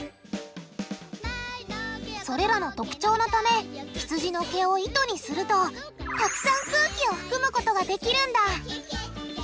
それらの特徴のためひつじの毛を糸にするとたくさん空気を含むことができるんだ。